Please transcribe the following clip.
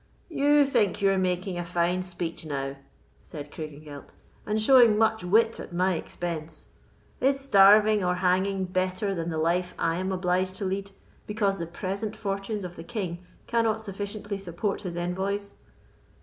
"You think you are making a fine speech now," said Craigengelt, "and showing much wit at my expense. Is starving or hanging better than the life I am obliged to lead, because the present fortunes of the king cannot sufficiently support his envoys?"